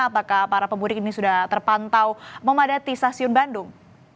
apakah para pemudik ini sudah terpantau memadati stasiun bandung